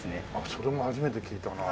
それも初めて聞いたなあ。